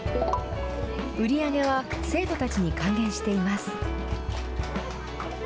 売り上げは生徒たちに還元しています。